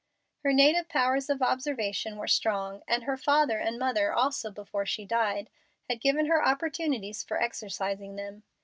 Her native powers of observation were strong, and her father, and mother also before she died, had given her opportunities for exercising them.